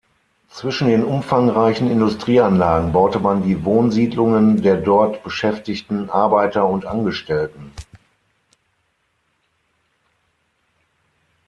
Zwischen den umfangreichen Industrieanlagen baute man die Wohnsiedlungen der dort beschäftigten Arbeiter und Angestellten.